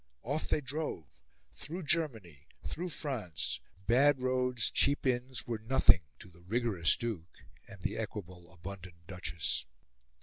Off they drove through Germany, through France: bad roads, cheap inns, were nothing to the rigorous Duke and the equable, abundant Duchess.